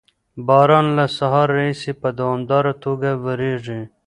باران له سهار راهیسې په دوامداره توګه ورېږي.